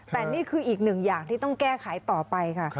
แต่นี่คืออีกหนึ่งอย่างที่ต้องแก้ไขต่อไปค่ะ